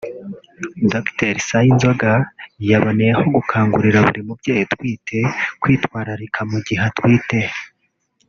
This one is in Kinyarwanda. Dr Sayinzoga yaboneyeho gukangurira buri mubyeyi utwite kwitwararika mu gihe atwite